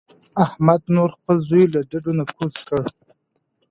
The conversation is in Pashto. احمد نور خپل زوی له ډډو نه کوز کړ.